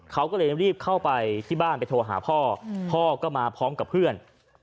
เขาก็เลยรีบเข้าไปที่บ้านไปโทรหาพ่อพ่อก็มาพร้อมกับเพื่อน